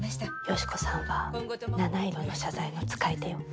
よしこさんは七色の謝罪の使い手よ。